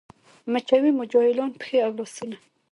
مچوي مو جاهلان پښې او لاسونه